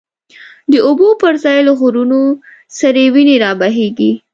د اوبو پر ځای له غرونو، سری وینی را بهیږی